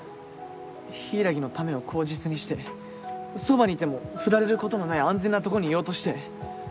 「柊のため」を口実にしてそばにいてもフラれることのない安全なとこにいようとして。